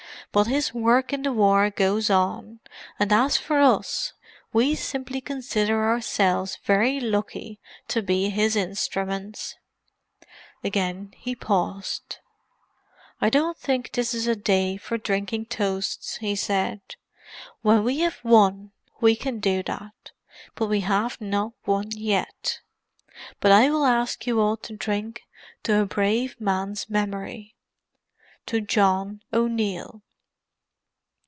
But his work in the war goes on; and as for us, we simply consider ourselves very lucky to be his instruments." Again he paused. "I don't think this is a day for drinking toasts," he said. "When we have won we can do that—but we have not won yet. But I will ask you all to drink to a brave man's memory—to John O'Neill."